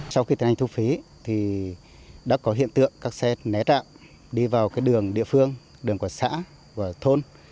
sau khi tình hình thu phí đã có hiện tượng các xe né trạm đi vào đường địa phương đường quản xã và thôn